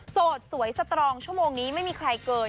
สดสวยสตรองชั่วโมงนี้ไม่มีใครเกิน